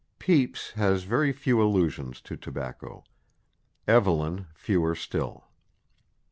Pepys has very few allusions to tobacco; Evelyn fewer still.